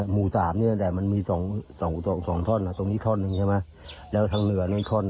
หมู่๓เนี่ยแต่มันมี๒ท่อนตรงนี้ท่อนนึงใช่มะและทางเหนือท่อนนึง